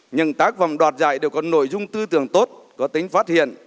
những tác phẩm đoạt giải đều có nội dung tư tưởng tốt có tính phát hiện